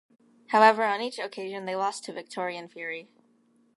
However on each occasion they lost to Victorian Fury.